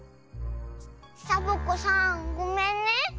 サボ子さんごめんね。